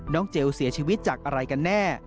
เจลเสียชีวิตจากอะไรกันแน่